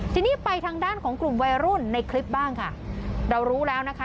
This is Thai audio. ทีนี้ไปทางด้านของกลุ่มวัยรุ่นในคลิปบ้างค่ะเรารู้แล้วนะคะ